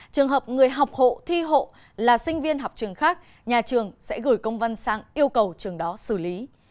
trường hợp người học hộ thi hộ là sinh viên học trường khác nhà trường sẽ gửi công văn sang yêu cầu trường đó xử lý